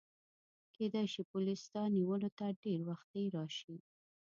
کیدای شي پولیس ستا نیولو ته ډېر وختي راشي.